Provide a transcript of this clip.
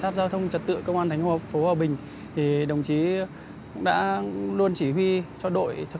sát giao thông trật tự công an thành phố hòa bình thì đồng chí cũng đã luôn chỉ huy cho đội thông